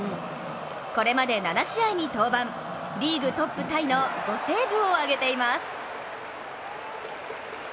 これまで７試合に登板、リーグトップタイの５セーブを挙げています。